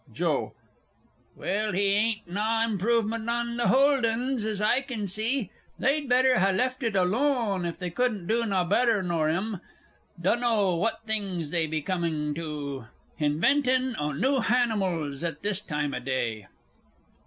JOE. Well, he bain't naw himprovement on th' hold 'uns, as I can see. They'd better ha' left it aloan if they couldn't do naw better nor 'im. Dunno what things be coming to, hinventin' o' noo hanimals at this time o' day.